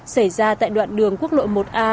xảy ra tại đoạn đường quốc lộ một a